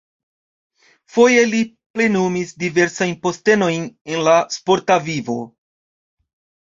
Foje li plenumis diversajn postenojn en la sporta vivo.